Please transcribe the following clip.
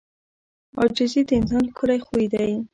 • عاجزي د انسان ښکلی خوی دی.